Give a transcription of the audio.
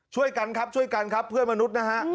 ช่วยกันครับช่วยกันครับเพื่อนมนุษย์นะฮะ